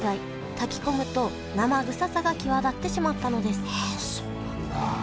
炊き込むと生臭さが際立ってしまったのですはそうなんだ。